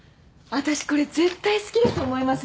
私これ絶対好きだと思います